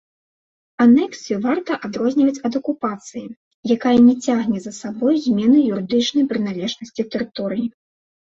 Анексію варта адрозніваць ад акупацыі, якая не цягне за сабой змены юрыдычнай прыналежнасці тэрыторыі.